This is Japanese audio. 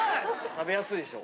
食べやすいでしょ？